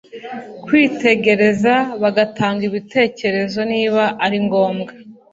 kwitegereza bagatanga ibitekerezo niba ari ngombwa